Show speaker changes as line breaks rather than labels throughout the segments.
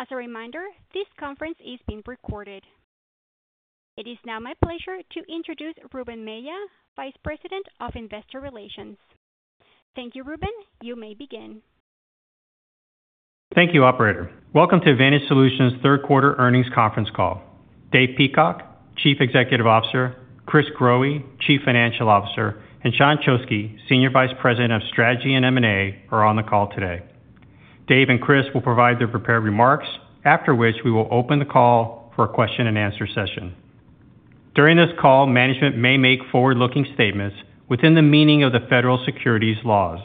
As a reminder, this conference is being recorded. It is now my pleasure to introduce Ruben Mella, Vice President of Investor Relations. Thank you, Ruben. You may begin.
Thank you, Operator. Welcome to Advantage Solutions' third-quarter earnings conference call. Dave Peacock, Chief Executive Officer, Chris Growe, Chief Financial Officer, and Sean Choksi, Senior Vice President of Strategy and M&A, are on the call today. Dave and Chris will provide their prepared remarks, after which we will open the call for a question-and-answer session. During this call, management may make forward-looking statements within the meaning of the federal securities laws.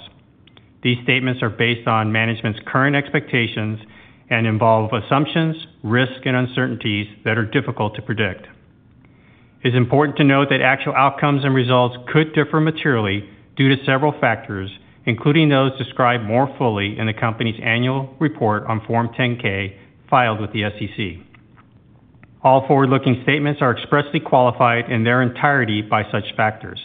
These statements are based on management's current expectations and involve assumptions, risks, and uncertainties that are difficult to predict. It's important to note that actual outcomes and results could differ materially due to several factors, including those described more fully in the company's annual report on Form 10-K filed with the SEC. All forward-looking statements are expressly qualified in their entirety by such factors.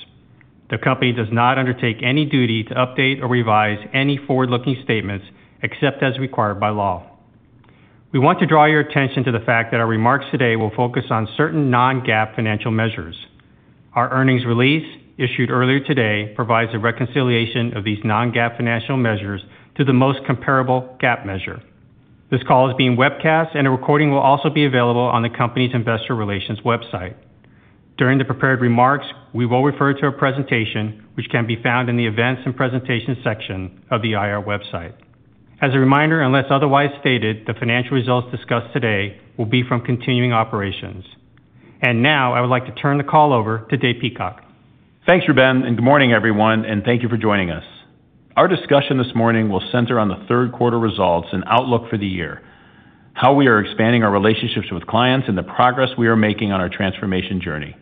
The company does not undertake any duty to update or revise any forward-looking statements except as required by law. We want to draw your attention to the fact that our remarks today will focus on certain non-GAAP financial measures. Our earnings release, issued earlier today, provides a reconciliation of these non-GAAP financial measures to the most comparable GAAP measure. This call is being webcast, and a recording will also be available on the company's Investor Relations website. During the prepared remarks, we will refer to a presentation which can be found in the Events and Presentations section of the IR website. As a reminder, unless otherwise stated, the financial results discussed today will be from continuing operations. And now, I would like to turn the call over to Dave Peacock.
Thanks, Ruben, and good morning, everyone, and thank you for joining us. Our discussion this morning will center on the third-quarter results and outlook for the year, how we are expanding our relationships with clients, and the progress we are making on our transformation journey.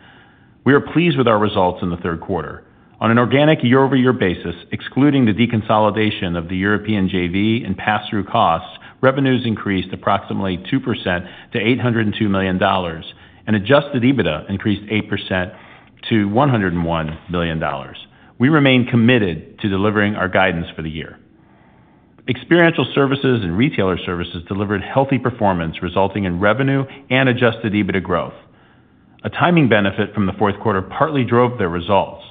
We are pleased with our results in the third quarter. On an organic year-over-year basis, excluding the deconsolidation of the European JV and pass-through costs, revenues increased approximately 2% to $802 million, and Adjusted EBITDA increased 8% to $101 million. We remain committed to delivering our guidance for the year. Experiential Services and Retailer Services delivered healthy performance, resulting in revenue and Adjusted EBITDA growth. A timing benefit from the fourth quarter partly drove their results.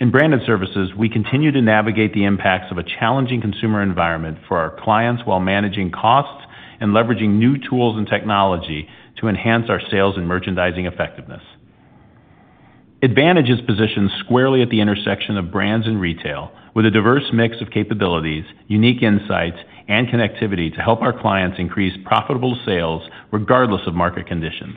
In Branded Services, we continue to navigate the impacts of a challenging consumer environment for our clients while managing costs and leveraging new tools and technology to enhance our sales and merchandising effectiveness. Advantage is positioned squarely at the intersection of brands and retail, with a diverse mix of capabilities, unique insights, and connectivity to help our clients increase profitable sales regardless of market conditions.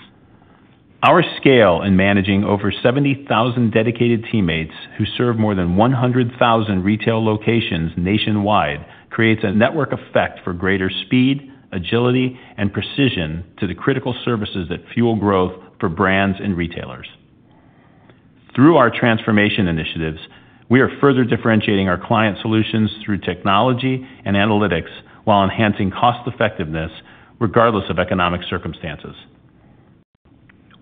Our scale in managing over 70,000 dedicated teammates who serve more than 100,000 retail locations nationwide creates a network effect for greater speed, agility, and precision to the critical services that fuel growth for brands and retailers. Through our transformation initiatives, we are further differentiating our client solutions through technology and analytics while enhancing cost-effectiveness regardless of economic circumstances.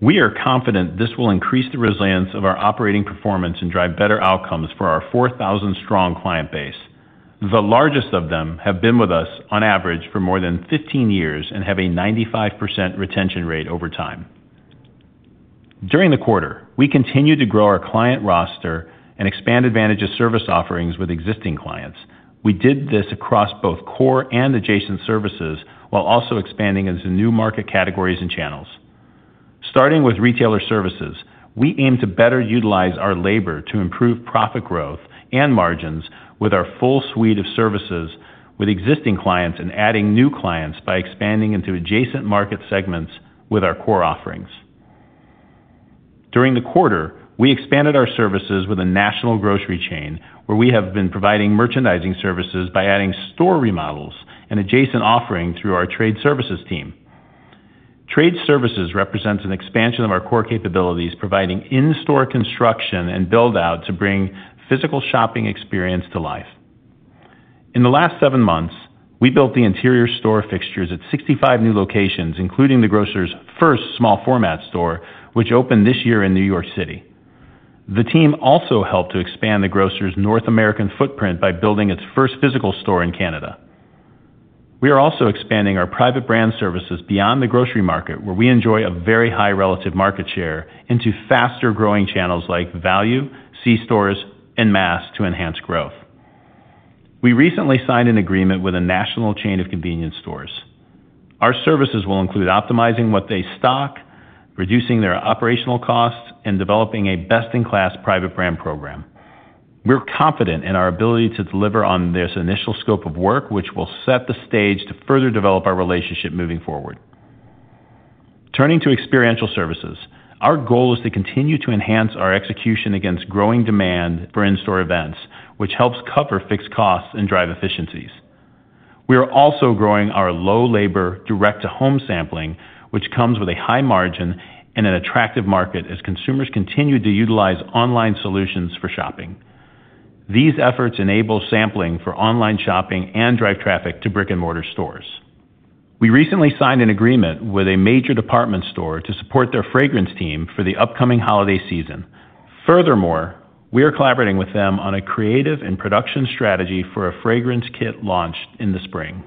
We are confident this will increase the resilience of our operating performance and drive better outcomes for our 4,000-strong client base. The largest of them have been with us, on average, for more than 15 years and have a 95% retention rate over time. During the quarter, we continue to grow our client roster and expand Advantage's service offerings with existing clients. We did this across both core and adjacent services while also expanding into new market categories and channels. Starting with Retailer Services, we aim to better utilize our labor to improve profit growth and margins with our full suite of services with existing clients and adding new clients by expanding into adjacent market segments with our core offerings. During the quarter, we expanded our services with a national grocery chain where we have been providing merchandising services by adding store remodels and adjacent offerings through our trade services team. Trade services represents an expansion of our core capabilities, providing in-store construction and build-out to bring physical shopping experience to life. In the last seven months, we built the interior store fixtures at 65 new locations, including the grocer's first small-format store, which opened this year in New York City. The team also helped to expand the grocer's North American footprint by building its first physical store in Canada. We are also expanding our private brand services beyond the grocery market, where we enjoy a very high relative market share, into faster-growing channels like value, C-stores, and mass to enhance growth. We recently signed an agreement with a national chain of convenience stores. Our services will include optimizing what they stock, reducing their operational costs, and developing a best-in-class private brand program. We're confident in our ability to deliver on this initial scope of work, which will set the stage to further develop our relationship moving forward. Turning to Experiential Services, our goal is to continue to enhance our execution against growing demand for in-store events, which helps cover fixed costs and drive efficiencies. We are also growing our low-labor direct-to-home sampling, which comes with a high margin and an attractive market as consumers continue to utilize online solutions for shopping. These efforts enable sampling for online shopping and drive traffic to brick-and-mortar stores. We recently signed an agreement with a major department store to support their fragrance team for the upcoming holiday season. Furthermore, we are collaborating with them on a creative and production strategy for a fragrance kit launched in the spring.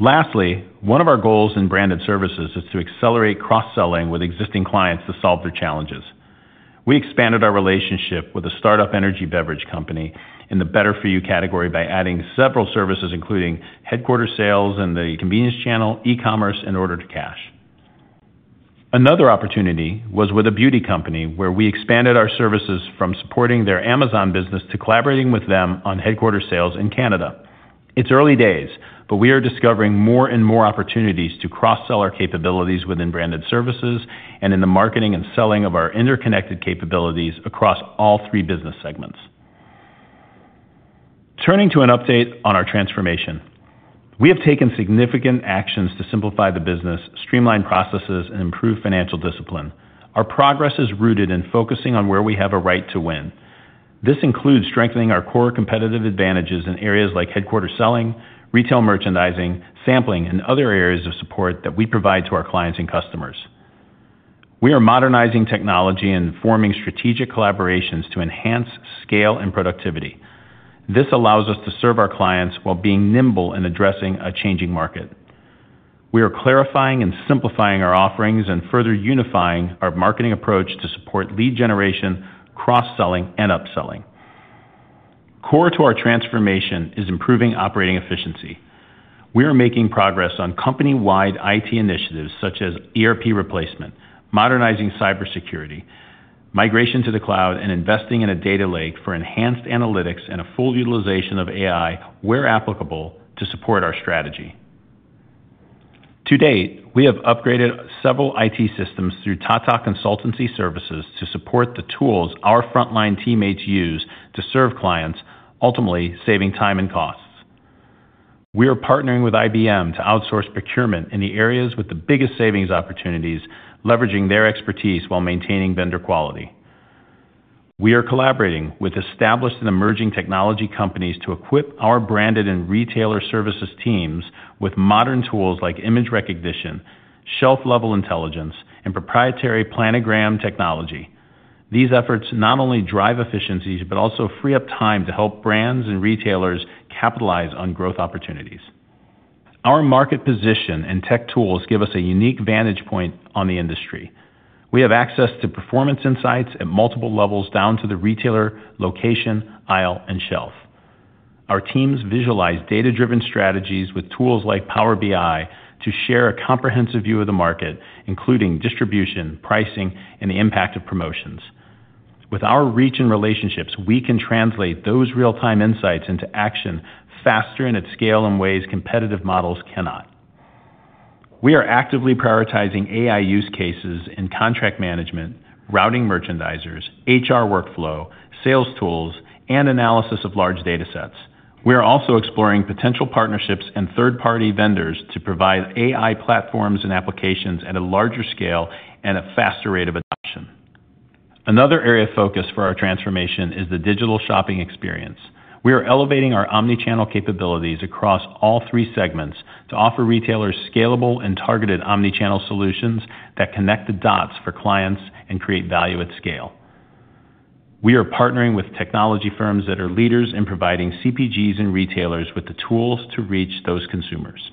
Lastly, one of our goals in Branded Services is to accelerate cross-selling with existing clients to solve their challenges. We expanded our relationship with a startup energy beverage company in the better-for-you category by adding several services, including headquarters sales and the convenience channel, e-commerce, and order-to-cash. Another opportunity was with a beauty company where we expanded our services from supporting their Amazon business to collaborating with them on headquarters sales in Canada. It's early days, but we are discovering more and more opportunities to cross-sell our capabilities within Branded Services and in the marketing and selling of our interconnected capabilities across all three business segments. Turning to an update on our transformation, we have taken significant actions to simplify the business, streamline processes, and improve financial discipline. Our progress is rooted in focusing on where we have a right to win. This includes strengthening our core competitive advantages in areas like headquarter selling, retail merchandising, sampling, and other areas of support that we provide to our clients and customers. We are modernizing technology and forming strategic collaborations to enhance scale and productivity. This allows us to serve our clients while being nimble in addressing a changing market. We are clarifying and simplifying our offerings and further unifying our marketing approach to support lead generation, cross-selling, and upselling. Core to our transformation is improving operating efficiency. We are making progress on company-wide IT initiatives such as ERP replacement, modernizing cybersecurity, migration to the cloud, and investing in a data lake for enhanced analytics and a full utilization of AI where applicable to support our strategy. To date, we have upgraded several IT systems through Tata Consultancy Services to support the tools our frontline teammates use to serve clients, ultimately saving time and costs. We are partnering with IBM to outsource procurement in the areas with the biggest savings opportunities, leveraging their expertise while maintaining vendor quality. We are collaborating with established and emerging technology companies to equip our Branded and Retailer Services teams with modern tools like image recognition, shelf-level intelligence, and proprietary planogram technology. These efforts not only drive efficiencies but also free up time to help brands and retailers capitalize on growth opportunities. Our market position and tech tools give us a unique vantage point on the industry. We have access to performance insights at multiple levels down to the retailer, location, aisle, and shelf. Our teams visualize data-driven strategies with tools like Power BI to share a comprehensive view of the market, including distribution, pricing, and the impact of promotions. With our reach and relationships, we can translate those real-time insights into action faster and at scale in ways competitive models cannot. We are actively prioritizing AI use cases in contract management, routing merchandisers, HR workflow, sales tools, and analysis of large data sets. We are also exploring potential partnerships and third-party vendors to provide AI platforms and applications at a larger scale and at a faster rate of adoption. Another area of focus for our transformation is the digital shopping experience. We are elevating our omnichannel capabilities across all three segments to offer retailers scalable and targeted omnichannel solutions that connect the dots for clients and create value at scale. We are partnering with technology firms that are leaders in providing CPGs and retailers with the tools to reach those consumers.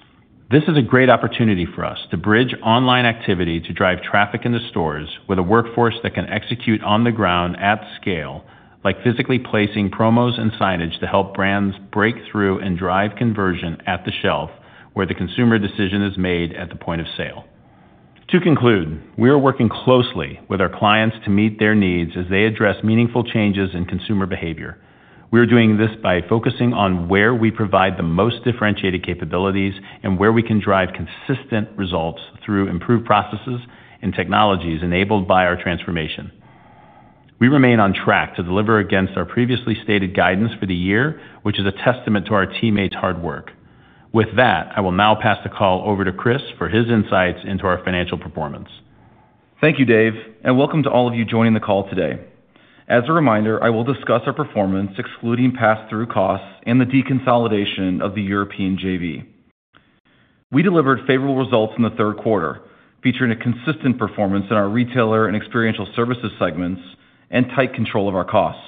This is a great opportunity for us to bridge online activity to drive traffic into stores with a workforce that can execute on the ground at scale, like physically placing promos and signage to help brands break through and drive conversion at the shelf where the consumer decision is made at the point of sale. To conclude, we are working closely with our clients to meet their needs as they address meaningful changes in consumer behavior. We are doing this by focusing on where we provide the most differentiated capabilities and where we can drive consistent results through improved processes and technologies enabled by our transformation. We remain on track to deliver against our previously stated guidance for the year, which is a testament to our teammates' hard work. With that, I will now pass the call over to Chris for his insights into our financial performance.
Thank you, Dave, and welcome to all of you joining the call today. As a reminder, I will discuss our performance, excluding pass-through costs and the deconsolidation of the European JV. We delivered favorable results in the third quarter, featuring a consistent performance in our retailer and Experiential Services segments and tight control of our costs.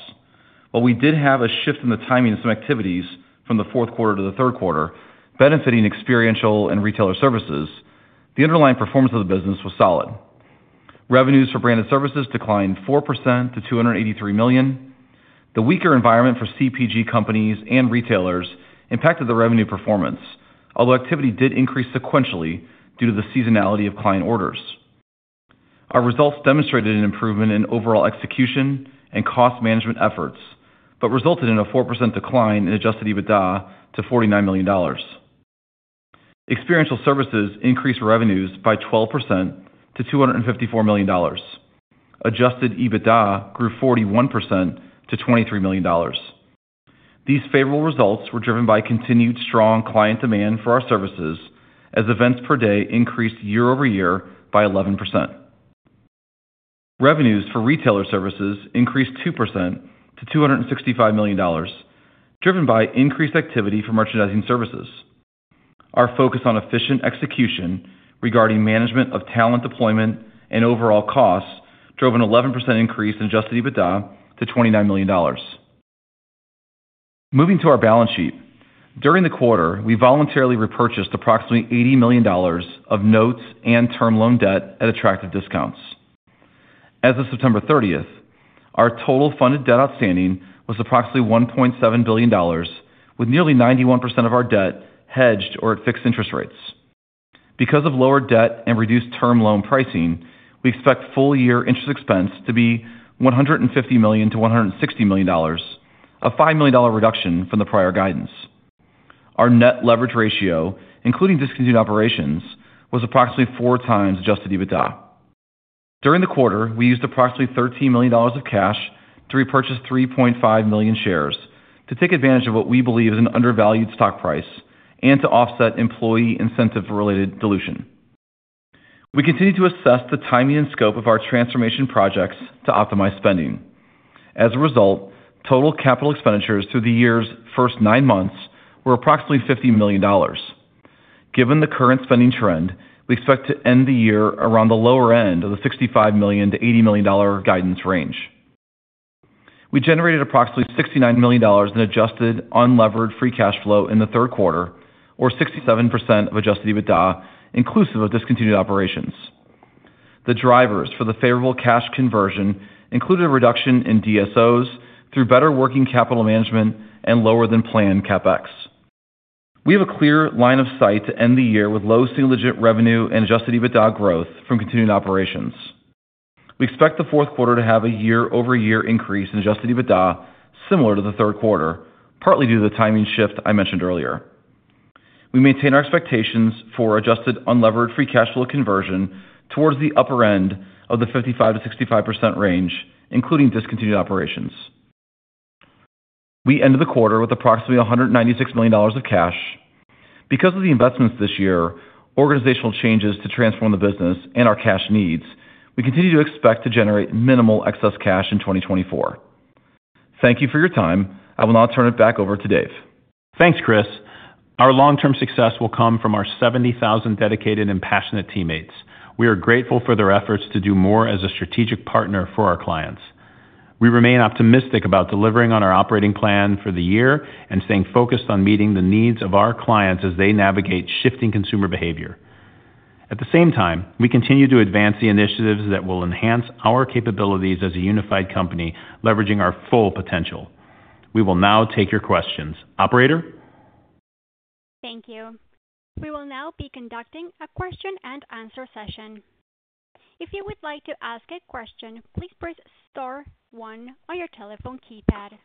While we did have a shift in the timing of some activities from the fourth quarter to the third quarter, benefiting experiential and Retailer Services, the underlying performance of the business was solid. Revenues for Branded Services declined 4% to $283 million. The weaker environment for CPG companies and retailers impacted the revenue performance, although activity did increase sequentially due to the seasonality of client orders. Our results demonstrated an improvement in overall execution and cost management efforts but resulted in a 4% decline in Adjusted EBITDA to $49 million. Experiential Services increased revenues by 12% to $254 million. Adjusted EBITDA grew 41% to $23 million. These favorable results were driven by continued strong client demand for our services as events per day increased year-over-year by 11%. Revenues for Retailer Services increased 2% to $265 million, driven by increased activity for merchandising services. Our focus on efficient execution regarding management of talent deployment and overall costs drove an 11% increase in Adjusted EBITDA to $29 million. Moving to our balance sheet, during the quarter, we voluntarily repurchased approximately $80 million of notes and term loan debt at attractive discounts. As of September 30th, our total funded debt outstanding was approximately $1.7 billion, with nearly 91% of our debt hedged or at fixed interest rates. Because of lower debt and reduced term loan pricing, we expect full-year interest expense to be $150 million-$160 million, a $5 million reduction from the prior guidance. Our net leverage ratio, including discontinued operations, was approximately four times Adjusted EBITDA. During the quarter, we used approximately $13 million of cash to repurchase 3.5 million shares to take advantage of what we believe is an undervalued stock price and to offset employee incentive-related dilution. We continue to assess the timing and scope of our transformation projects to optimize spending. As a result, total capital expenditures through the year's first nine months were approximately $50 million. Given the current spending trend, we expect to end the year around the lower end of the $65 million-$80 million guidance range. We generated approximately $69 million in Adjusted Unleveraged Free Cash Flow in the third quarter, or 67% of Adjusted EBITDA, inclusive of discontinued operations. The drivers for the favorable cash conversion included a reduction in DSOs through better working capital management and lower-than-planned CapEx. We have a clear line of sight to end the year with low single-digit revenue and Adjusted EBITDA growth from continued operations. We expect the fourth quarter to have a year-over-year increase in Adjusted EBITDA similar to the third quarter, partly due to the timing shift I mentioned earlier. We maintain our expectations for Adjusted Unleveraged Free Cash Flow conversion towards the upper end of the 55%-65% range, including discontinued operations. We ended the quarter with approximately $196 million of cash. Because of the investments this year, organizational changes to transform the business, and our cash needs, we continue to expect to generate minimal excess cash in 2024. Thank you for your time. I will now turn it back over to Dave.
Thanks, Chris. Our long-term success will come from our 70,000 dedicated and passionate teammates. We are grateful for their efforts to do more as a strategic partner for our clients. We remain optimistic about delivering on our operating plan for the year and staying focused on meeting the needs of our clients as they navigate shifting consumer behavior. At the same time, we continue to advance the initiatives that will enhance our capabilities as a unified company, leveraging our full potential. We will now take your questions. Operator?
Thank you. We will now be conducting a question-and-answer session. If you would like to ask a question, please press star one on your telephone keypad.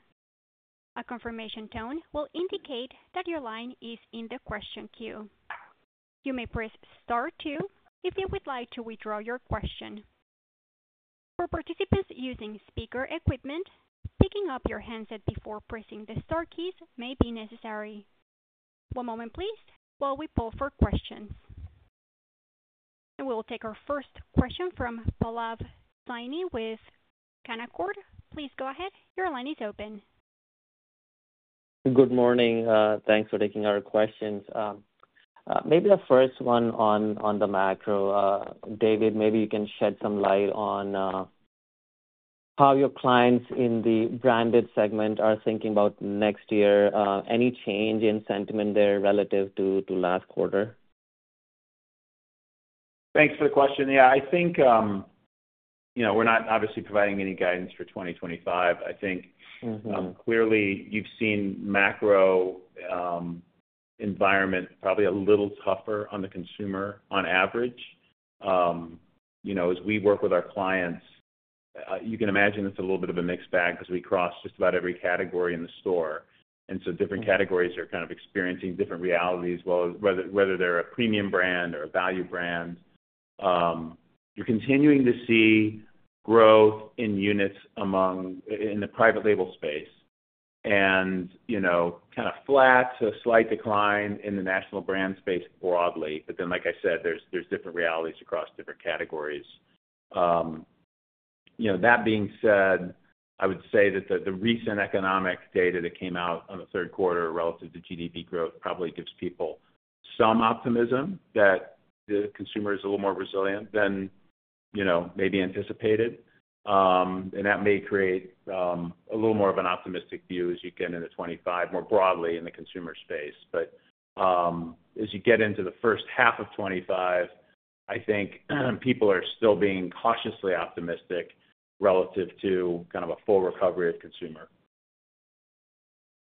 A confirmation tone will indicate that your line is in the question queue. You may press star two if you would like to withdraw your question. For participants using speaker equipment, picking up your handset before pressing the Star keys may be necessary. One moment, please, while we pull for questions. And we will take our first question from Pallav Saini with Canaccord. Please go ahead. Your line is open.
Good morning. Thanks for taking our questions. Maybe the first one on the macro. David, maybe you can shed some light on how your clients in the branded segment are thinking about next year, any change in sentiment there relative to last quarter?
Thanks for the question. Yeah, I think we're not obviously providing any guidance for 2025. I think clearly you've seen macro environment probably a little tougher on the consumer on average. As we work with our clients, you can imagine it's a little bit of a mixed bag because we cross just about every category in the store. And so different categories are kind of experiencing different realities, whether they're a premium brand or a value brand. You're continuing to see growth in units in the private label space and kind of flat to a slight decline in the national brand space broadly. But then, like I said, there's different realities across different categories. That being said, I would say that the recent economic data that came out on the third quarter relative to GDP growth probably gives people some optimism that the consumer is a little more resilient than maybe anticipated. And that may create a little more of an optimistic view as you get into 2025 more broadly in the consumer space. But as you get into the first half of 2025, I think people are still being cautiously optimistic relative to kind of a full recovery of consumer.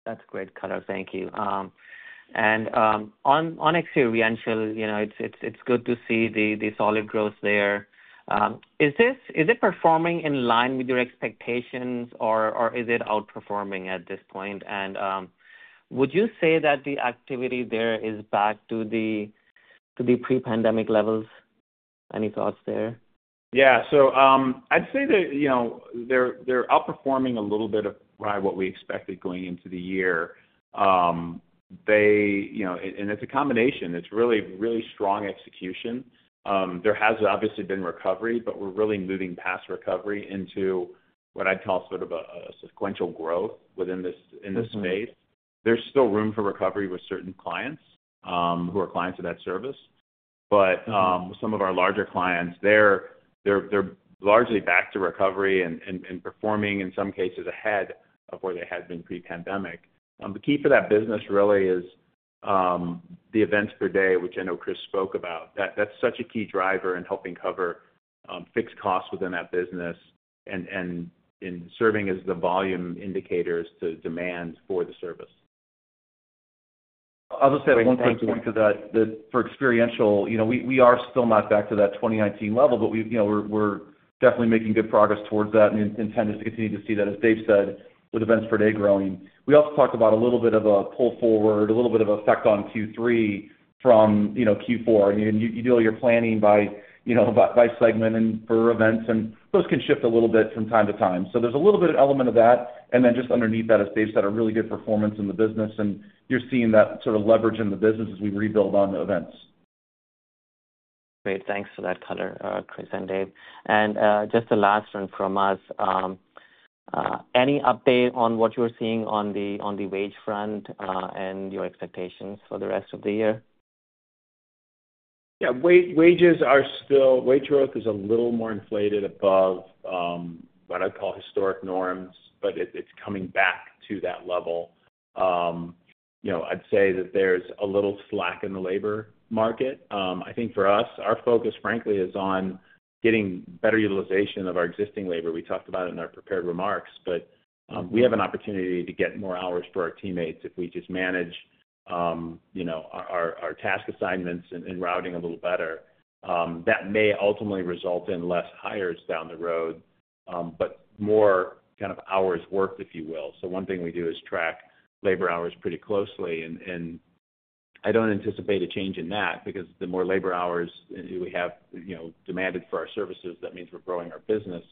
That's great, color. Thank you. And on experiential, it's good to see the solid growth there. Is it performing in line with your expectations, or is it outperforming at this point? And would you say that the activity there is back to the pre-pandemic levels? Any thoughts there?
Yeah. So I'd say that they're outperforming a little bit of what we expected going into the year. And it's a combination. It's really, really strong execution. There has obviously been recovery, but we're really moving past recovery into what I'd call sort of a sequential growth within this space.
There's still room for recovery with certain clients who are clients of that service. But some of our larger clients, they're largely back to recovery and performing in some cases ahead of where they had been pre-pandemic. The key for that business really is the events per day, which I know Chris spoke about. That's such a key driver in helping cover fixed costs within that business and in serving as the volume indicators to demand for the service.
I'll just add one quick point to that. For experiential, we are still not back to that 2019 level, but we're definitely making good progress toward that and intend to continue to see that, as Dave said, with events per day growing. We also talked about a little bit of a pull forward, a little bit of effect on Q3 from Q4. You do all your planning by segment and per events, and those can shift a little bit from time to time. So there's a little bit of element of that, and then just underneath that, as Dave said, a really good performance in the business, and you're seeing that sort of leverage in the business as we rebuild on the events.
Great. Thanks for that, color, Chris, and Dave. And just the last one from us. Any update on what you're seeing on the wage front and your expectations for the rest of the year?
Yeah. Wage growth is still a little more inflated above what I'd call historic norms, but it's coming back to that level. I'd say that there's a little slack in the labor market. I think for us, our focus, frankly, is on getting better utilization of our existing labor. We talked about it in our prepared remarks, but we have an opportunity to get more hours for our teammates if we just manage our task assignments and routing a little better. That may ultimately result in less hires down the road, but more kind of hours worked, if you will, so one thing we do is track labor hours pretty closely, and I don't anticipate a change in that because the more labor hours we have demanded for our services, that means we're growing our business.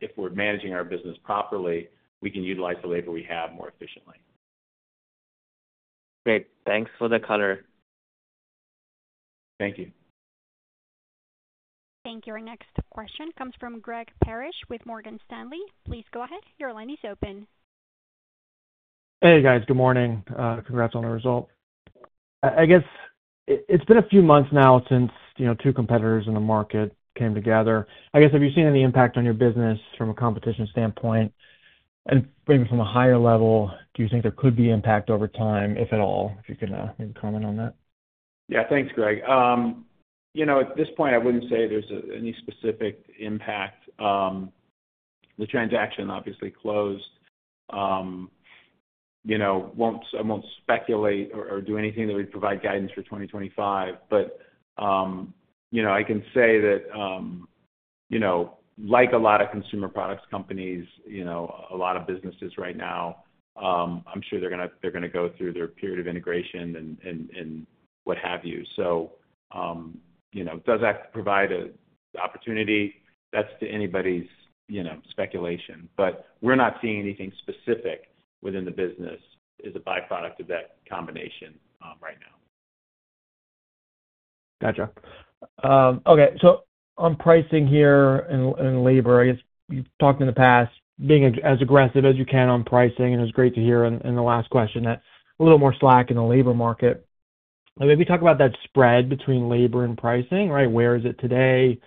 If we're managing our business properly, we can utilize the labor we have more efficiently.
Great. Thanks for the color.
Thank you.
Thank you. Our next question comes from Greg Parrish with Morgan Stanley. Please go ahead. Your line is open.
Hey, guys. Good morning. Congrats on the result. I guess it's been a few months now since two competitors in the market came together. I guess, have you seen any impact on your business from a competition standpoint? And maybe from a higher level, do you think there could be impact over time, if at all? If you can maybe comment on that.
Yeah. Thanks, Greg. At this point, I wouldn't say there's any specific impact. The transaction obviously closed. I won't speculate or do anything that would provide guidance for 2025. But I can say that, like a lot of consumer products companies, a lot of businesses right now, I'm sure they're going to go through their period of integration and what have you. So does that provide an opportunity? That's to anybody's speculation. But we're not seeing anything specific within the business as a byproduct of that combination right now.
Gotcha. Okay. So on pricing here and labor, I guess you've talked in the past, being as aggressive as you can on pricing. And it was great to hear in the last question that a little more slack in the labor market. Maybe talk about that spread between labor and pricing, right? Where is it today?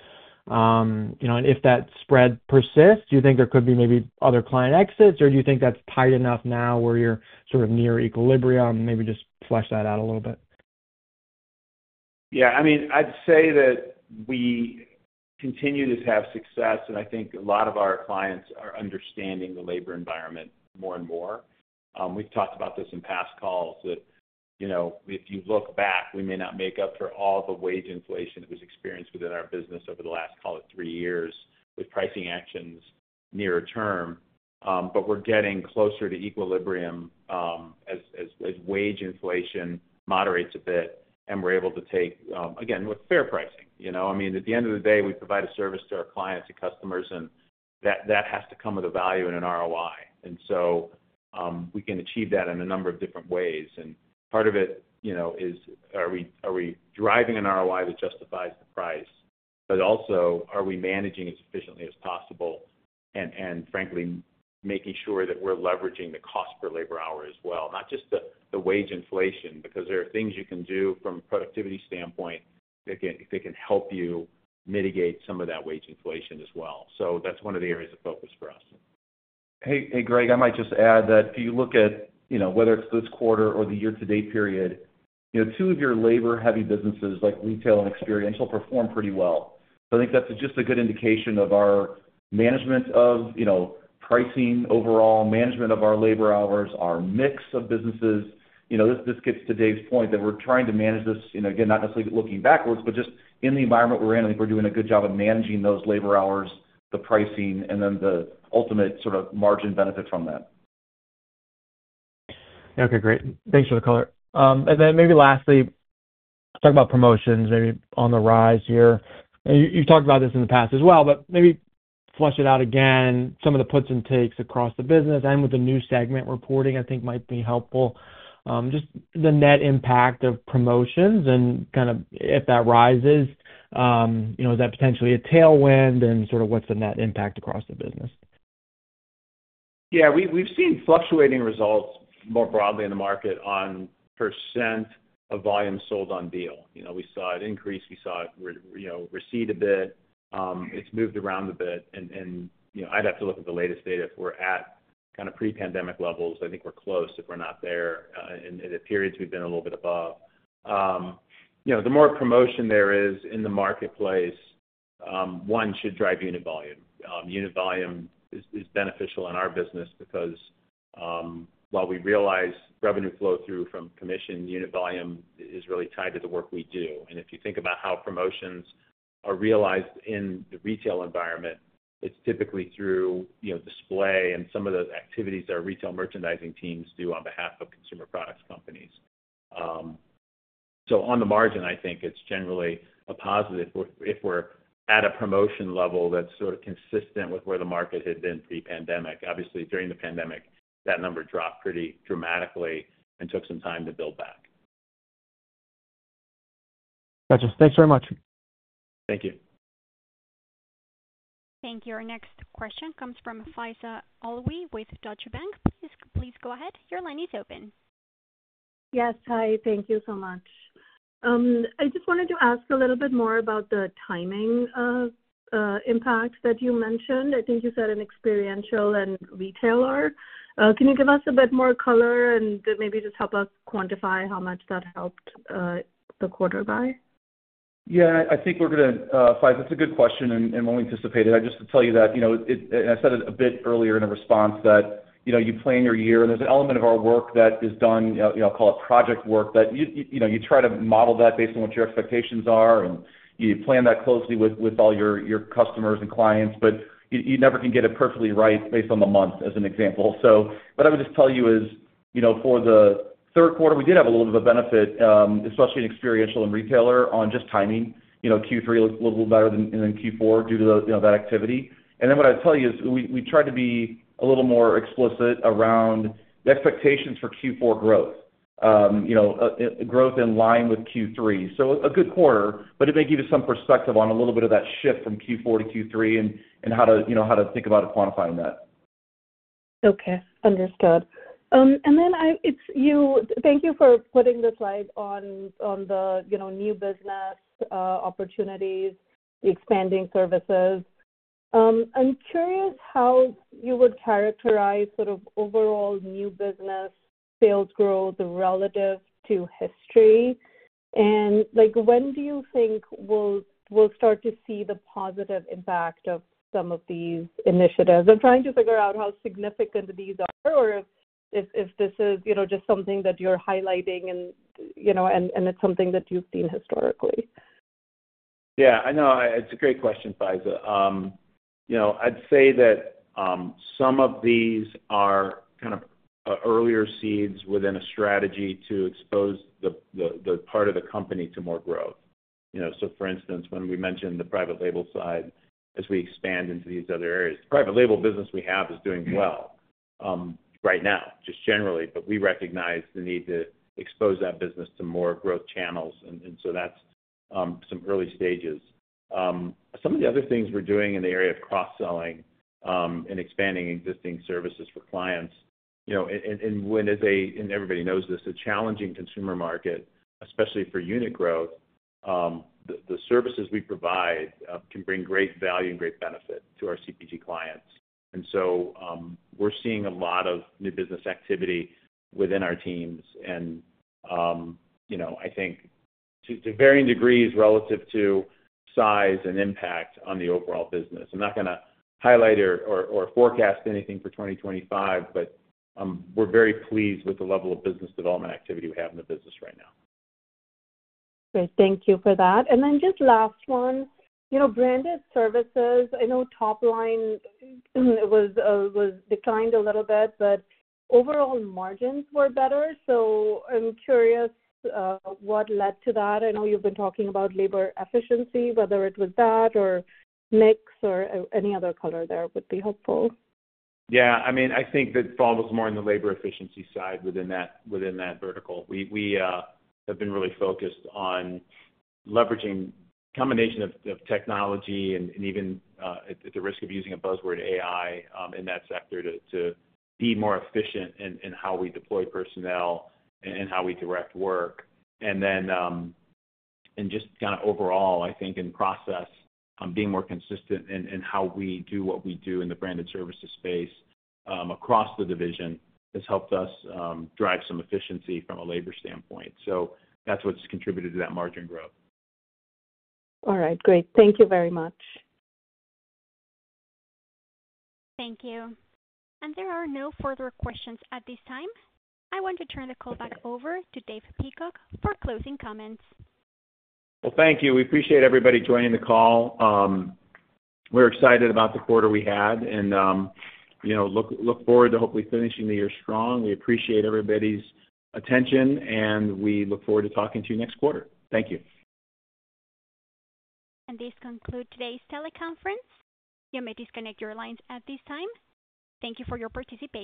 And if that spread persists, do you think there could be maybe other client exits, or do you think that's tight enough now where you're sort of near equilibrium? Maybe just flesh that out a little bit.
Yeah. I mean, I'd say that we continue to have success, and I think a lot of our clients are understanding the labor environment more and more. We've talked about this in past calls that if you look back, we may not make up for all the wage inflation that was experienced within our business over the last, call it, three years with pricing actions nearer term. But we're getting closer to equilibrium as wage inflation moderates a bit, and we're able to take, again, with fair pricing. I mean, at the end of the day, we provide a service to our clients and customers, and that has to come with a value and an ROI, and so we can achieve that in a number of different ways. And part of it is, are we driving an ROI that justifies the price? But also, are we managing as efficiently as possible and, frankly, making sure that we're leveraging the cost per labor hour as well, not just the wage inflation, because there are things you can do from a productivity standpoint that can help you mitigate some of that wage inflation as well. So that's one of the areas of focus for us.
Hey, Greg, I might just add that if you look at whether it's this quarter or the year-to-date period, two of your labor-heavy businesses, like retail and experiential, perform pretty well. So I think that's just a good indication of our management of pricing overall, management of our labor hours, our mix of businesses. This gets to Dave's point that we're trying to manage this, again, not necessarily looking backwards, but just in the environment we're in. I think we're doing a good job of managing those labor hours, the pricing, and then the ultimate sort of margin benefit from that.
Okay. Great. Thanks for the color. And then maybe lastly, talk about promotions maybe on the rise here. You've talked about this in the past as well, but maybe flesh it out again. Some of the puts and takes across the business and with the new segment reporting, I think, might be helpful. Just the net impact of promotions and kind of if that rises, is that potentially a tailwind? And sort of what's the net impact across the business?
Yeah. We've seen fluctuating results more broadly in the market on percent of volume sold on deal. We saw it increase. We saw it recede a bit. It's moved around a bit. And I'd have to look at the latest data if we're at kind of pre-pandemic levels. I think we're close if we're not there. And in the periods, we've been a little bit above. The more promotion there is in the marketplace, one should drive unit volume. Unit volume is beneficial in our business because while we realize revenue flow through from commission, unit volume is really tied to the work we do. And if you think about how promotions are realized in the retail environment, it's typically through display and some of the activities that our retail merchandising teams do on behalf of consumer products companies. So on the margin, I think it's generally a positive if we're at a promotion level that's sort of consistent with where the market had been pre-pandemic. Obviously, during the pandemic, that number dropped pretty dramatically and took some time to build back.
Gotcha. Thanks very much.
Thank you.
Thank you. Our next question comes from Faiza Alwy with Deutsche Bank. Please go ahead. Your line is open.
Yes. Hi. Thank you so much. I just wanted to ask a little bit more about the timing of impact that you mentioned. I think you said in experiential and retailer. Can you give us a bit more color and maybe just help us quantify how much that helped the quarter by?
Yeah. I think we're going to Faiza, that's a good question and well-anticipated. I just want to tell you that, and I said it a bit earlier in the response, that you plan your year, and there's an element of our work that is done, I'll call it project work, that you try to model that based on what your expectations are, and you plan that closely with all your customers and clients. But you never can get it perfectly right based on the month, as an example. But I would just tell you is for the third quarter, we did have a little bit of a benefit, especially in experiential and retailer, on just timing. Q3 looked a little better than Q4 due to that activity. And then what I'd tell you is we tried to be a little more explicit around the expectations for Q4 growth, growth in line with Q3. So a good quarter, but it may give you some perspective on a little bit of that shift from Q4 to Q3 and how to think about quantifying that.
Okay. Understood, and then thank you for putting the slide on the new business opportunities, the expanding services. I'm curious how you would characterize sort of overall new business sales growth relative to history, and when do you think we'll start to see the positive impact of some of these initiatives? I'm trying to figure out how significant these are or if this is just something that you're highlighting and it's something that you've seen historically.
Yeah. I know. It's a great question, Faiza. I'd say that some of these are kind of earlier seeds within a strategy to expose the part of the company to more growth. So for instance, when we mentioned the private label side, as we expand into these other areas, the private label business we have is doing well right now, just generally. But we recognize the need to expose that business to more growth channels, and so that's some early stages. Some of the other things we're doing in the area of cross-selling and expanding existing services for clients, and when everybody knows this, a challenging consumer market, especially for unit growth, the services we provide can bring great value and great benefit to our CPG clients. We're seeing a lot of new business activity within our teams. I think to varying degrees relative to size and impact on the overall business. I'm not going to highlight or forecast anything for 2025, but we're very pleased with the level of business development activity we have in the business right now.
Great. Thank you for that. And then just last one, Branded Services, I know top line was declined a little bit, but overall margins were better. So I'm curious what led to that. I know you've been talking about labor efficiency, whether it was that or mix or any other color there would be helpful. Yeah. I mean, I think that falls more on the labor efficiency side within that vertical. We have been really focused on leveraging a combination of technology and even at the risk of using a buzzword, AI, in that sector to be more efficient in how we deploy personnel and how we direct work. And just kind of overall, I think, in process, being more consistent in how we do what we do in the Branded Services space across the division has helped us drive some efficiency from a labor standpoint. So that's what's contributed to that margin growth. All right. Great. Thank you very much.
Thank you, and there are no further questions at this time. I want to turn the call back over to Dave Peacock for closing comments.
Thank you. We appreciate everybody joining the call. We're excited about the quarter we had and look forward to hopefully finishing the year strong. We appreciate everybody's attention, and we look forward to talking to you next quarter. Thank you.
And this concludes today's teleconference. You may disconnect your lines at this time. Thank you for your participation.